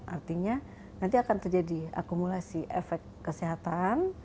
artinya nanti akan terjadi akumulasi efek kesehatan